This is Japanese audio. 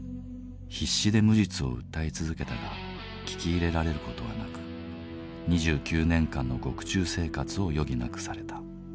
必死で無実を訴え続けたが聞き入れられる事はなく２９年間の獄中生活を余儀なくされた。